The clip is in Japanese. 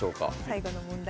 最後の問題